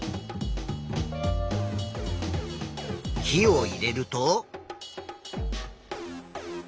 火を入れると。